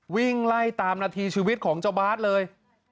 วิ่งไล่ตามนาทีชีวิตของเจ้าบาทเลย